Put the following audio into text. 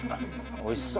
おいしそう！